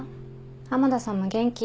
浜田さんも元気？